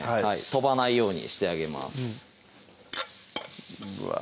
飛ばないようにしてあげますうわ